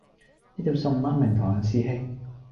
呢碟餸咩名堂呀師兄